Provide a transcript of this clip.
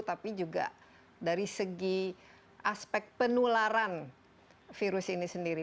tapi juga dari segi aspek penularan virus ini sendiri